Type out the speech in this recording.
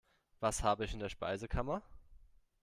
Was habe ich in der Speisekammer?